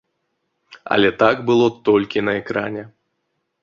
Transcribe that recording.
Але так было толькі на экране.